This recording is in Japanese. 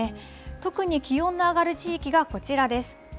特に気温が上がる地域がこちらです。